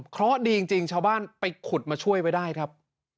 เพราะดีจริงชาวบ้านไปขุดมาช่วยไว้ได้ครับ